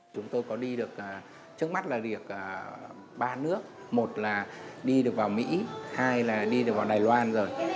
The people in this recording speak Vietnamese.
chúng tôi có đi được trước mắt là việc ba nước một là đi được vào mỹ hai là đi được vào đài loan rồi